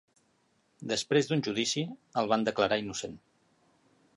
Després d'un judici, el van declarar innocent.